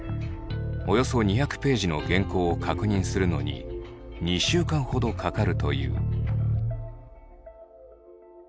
およそ２００ページの原稿を確認するのに２週間ほどかかるという。